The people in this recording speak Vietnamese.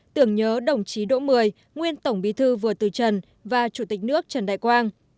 tưởng nhớ đồng chí đỗ mười nguyên tổng bí thư vừa từ trần và chủ tịch nước trần đại quang